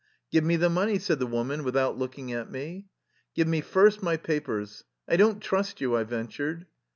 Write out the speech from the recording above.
" Give me the money," said the woman with out looking at me. " Give me first my papers. I don't trust you," I ventured.